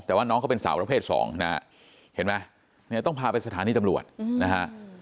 แต่ว่าน้องเขาเป็นสาวประเภทสองนะฮะเห็นไหมเนี่ยต้องพาไปสถานีตำรวจนะฮะ